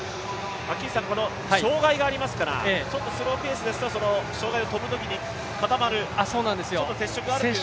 障害がありますから、スローペースですと障害を跳ぶときにかたまる接触があるということがありますよね。